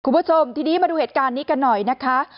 คุณผู้ชมทีนี้มาดูเหตุการณ์นี้กันหน่อยนะคะ